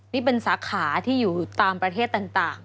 นี่เป็นสาขาที่อยู่ตามประเทศต่าง